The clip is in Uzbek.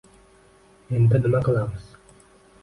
Endi nima qilamiz?